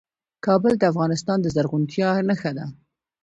کابل د افغانستان د زرغونتیا نښه ده.